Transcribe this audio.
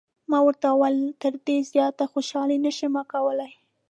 ما ورته وویل: تر دې زیاته خوشحالي نه شم کولای.